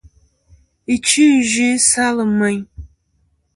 Ɨchfɨ̀-iyvɨ-i salɨ meyn.